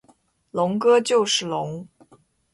龙哥就是龙！